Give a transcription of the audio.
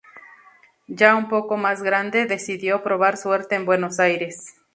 Ya un poco más grande, decidió probar suerte en Buenos Aires.